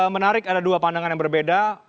menarik ada dua pandangan yang berbeda